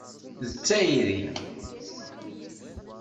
Deg tayri, d wid i aɣ-islemden awal-a.